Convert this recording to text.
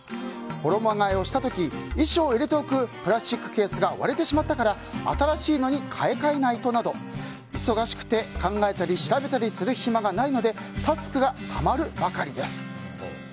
衣替えをした時衣装を入れておくプラスチックケースが割れてしまったから新しいのに買い換えないとなど忙しくて、考えたり調べたりする暇がないのでタスクがたまるばかりです。